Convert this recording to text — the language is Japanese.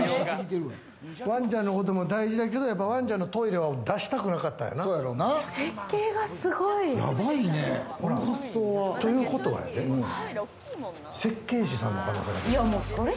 ワンちゃんのことも大事だけどワンちゃんのトイレは出したくなかったんやな。ということはやで、設計士さんの可能性がある。